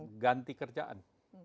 ataupun ganti kerjaan